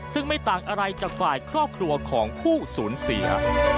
ซึ่งไม่ต่างอะไรจากฝ่ายครอบครัวของผู้สูญเสีย